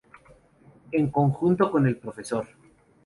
En conjunto con el Prof.